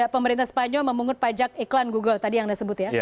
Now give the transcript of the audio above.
pemerintah spanyol memungut pajak iklan google tadi yang anda sebut ya